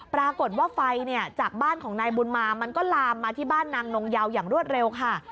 ปรากฏว่าไฟเนี่ยจากบ้านของนายบุญมามันก็ลามมาที่บ้านนางนงเยาอย่างรวดเร็วค่ะ